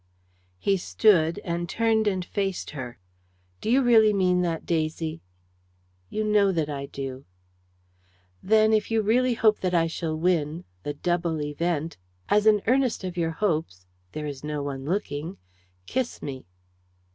He stood, and turned, and faced her. "Do you really mean that, Daisy?" "You know that I do." "Then, if you really hope that I shall win the double event! as an earnest of your hopes there is no one looking! kiss me."